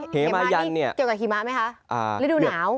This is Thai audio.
หิมะนี่เกี่ยวกับหิมะไหมคะฤดูหนาว